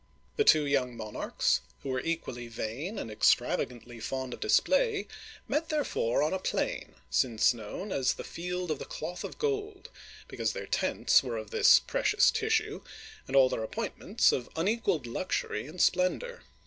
The two young monarchs, who were equally vain and extravagantly fond of display, met therefore on a plain, since known as the " Field of the Cloth of Gold,'* because their tents were of this precious tissue, and all their appointments of unequaled luxury and splendor.